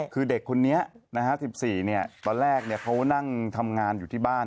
คือเด็กคนนี้๑๔ตอนแรกเขานั่งทำงานอยู่ที่บ้าน